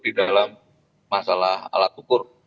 di dalam masalah alat ukur